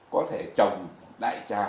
có thể trồng đại trà